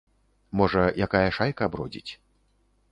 Можа, якая шайка бродзіць.